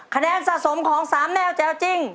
คะแนนสะสมของ๓แนวแจ๋วจริง